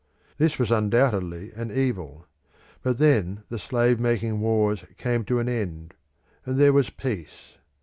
This was undoubtedly an evil. But then the slave making wars came to an end, and there was peace.